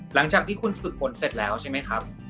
หลังจากที่คุณฝึกฝนเสร็จแล้วใช่ไหมครับ